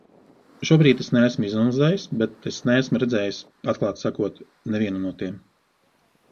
Šobrīd es neesmu izanalizējis, bet es neesmu redzējis, atklāti sakot, nevienu no tiem.